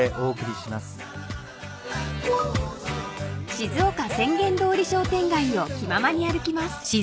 ［静岡浅間通り商店街を気ままに歩きます］